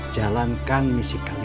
jalankan misi kalian